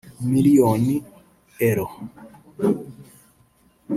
Miliyoni £